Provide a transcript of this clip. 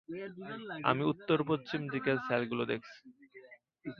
আমি উত্তর পশ্চিম দিকের সেলগুলো দেখছি।